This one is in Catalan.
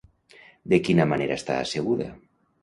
De quina manera està asseguda?